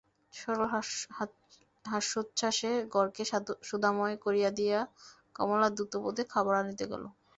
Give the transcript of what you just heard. সরল হাস্যোচ্ছ্বাসে ঘরকে সুধাময় করিয়া দিয়া কমলা দ্রুতপদে খাবার আনিতে গেল।